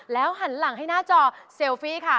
หันหลังให้หน้าจอเซลฟี่ค่ะ